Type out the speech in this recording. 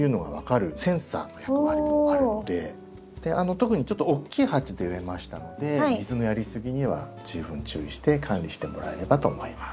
特にちょっと大きい鉢で植えましたので水のやりすぎには十分注意して管理してもらえればと思います。